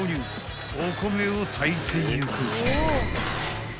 ［お米を炊いていく］